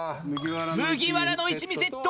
麦わらの一味セット。